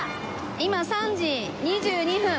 今３時２２分。